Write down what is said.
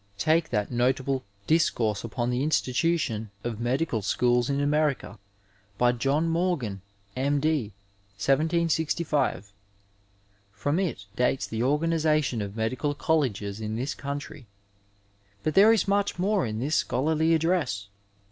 Take that notable Discourse upon the Institution of Medical Schooh in America, by John Morgan, M.D., 1706. From it dates the organiza tion of medical colleges in this country, but there is much more in this scholarly address.